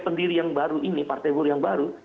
pendiri yang baru ini partai buruh yang baru